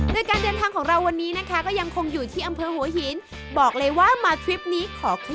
โดยการเดินทางของเราวันนี้นะคะก็ยังคงอยู่ที่อำเภอหัวหินบอกเลยว่ามาทริปนี้ขอคลิป